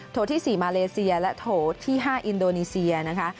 ที่๔มาเลเซียและโถที่๕อินโดนีเซียนะคะ